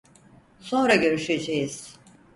Sonra görüşeceğiz.